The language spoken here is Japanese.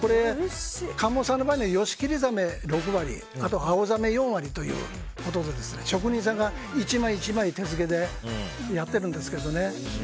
神茂さんの場合にはヨシキリザメが６割あとアオザメ４割ということで職人さんが１枚１枚手付けでやってるんですけどね。